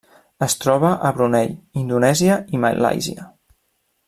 Es troba a Brunei, Indonèsia i Malàisia.